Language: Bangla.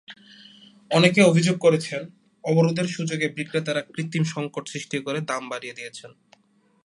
অনেকে অভিযোগ করছেন, অবরোধের সুযোগে বিক্রেতারা কৃত্রিম সংকট সৃষ্টি করে দাম বাড়িয়ে দিয়েছেন।